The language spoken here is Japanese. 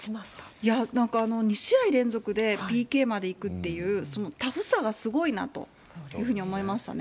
いやー、なんか２試合連続でＰＫまで行くっていう、そのタフさがすごいなというふうに思いましたね。